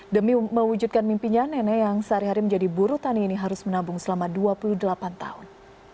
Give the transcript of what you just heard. demi mewujudkan mimpinya nenek yang sehari hari menjadi buru tani ini harus menabung selama dua puluh delapan tahun